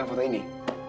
terus kenapa nih